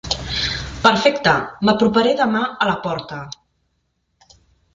Perfecte, m'aproparé demà a la porta.